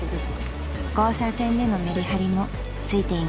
［交差点でのめりはりもついています］